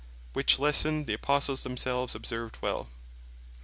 Which Lesson the Apostles themselves observed well.